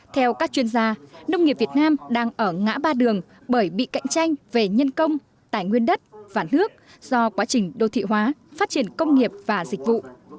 theo các chuyên gia nông nghiệp việt nam đang ở ngã ba đường bởi bị cạnh tranh về nhân công tài nguyên đất và nước do quá trình đô thị hóa phát triển công nghiệp và dịch vụ